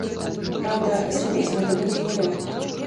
Праўда, зрабіць гэта будзе нялёгка.